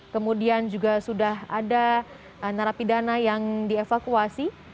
kemudian juga sudah ada narapidana yang dievakuasi